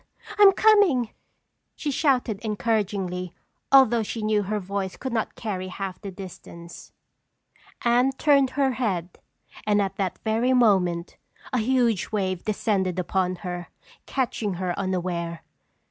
I'm coming!" she shouted encouragingly although she knew her voice could not carry half the distance. Anne turned her head and at that very moment a huge wave descended upon her, catching her unaware.